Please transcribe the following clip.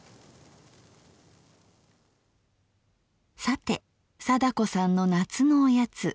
さて貞子さんの夏のおやつ。